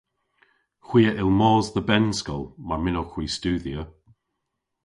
Hwi a yll mos dhe bennskol mar mynnowgh hwi studhya.